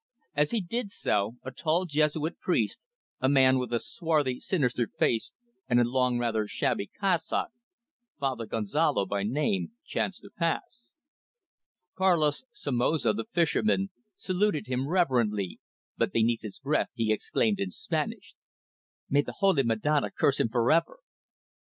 As he did so a tall Jesuit priest, a man with a swarthy, sinister face and a long, rather shabby cassock Father Gonzalo by name chanced to pass. Carlos Somoza, the fisherman, saluted him reverently, but beneath his breath he exclaimed in Spanish: "May the Holy Madonna curse him for ever!"